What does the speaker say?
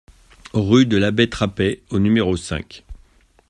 Rue de l'Abbé Trapet au numéro cinq